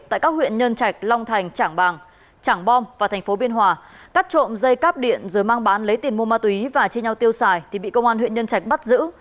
tại các huyện nhân trạch long thành trảng bàng trảng bom và thành phố biên hòa cắt trộm dây cắp điện rồi mang bán lấy tiền mua ma túy và chia nhau tiêu xài thì bị công an huyện nhân trạch bắt giữ